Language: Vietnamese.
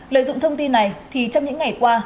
lợi dụng thông tin này thì trong những ngày qua